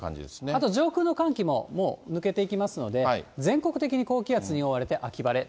あと上空の寒気ももう抜けていきますので、全国的に高気圧に覆われて秋晴れ。